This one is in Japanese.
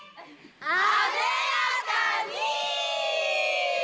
艶やかに！